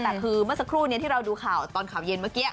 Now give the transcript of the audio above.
แต่คือเมื่อสักครู่นี้ที่เราดูข่าวตอนข่าวเย็นเมื่อกี้